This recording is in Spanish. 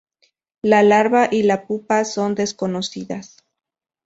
La larva y la pupa son desconocidas.